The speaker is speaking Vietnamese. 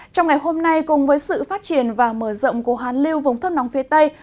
trong ngày hôm nay cùng với sự phát triển và mở rộng của hàn liêu vùng thấp nóng phía tây